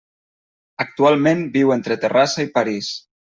Actualment viu entre Terrassa i París.